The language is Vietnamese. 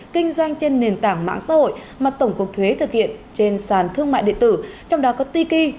kinh doanh trên nền tảng mạng xã hội mà tổng cục thuế thực hiện trên sàn thương mại điện tử trong đó có tiki